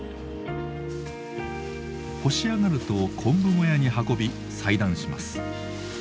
干し上がると昆布小屋に運び裁断します。